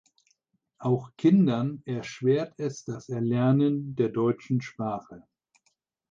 Auch Kindern erschwert es das Erlernen der deutschen Sprache.